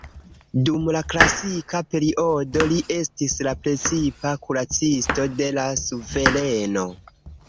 Dum la klasika periodo li estis la precipa kuracisto de la suvereno.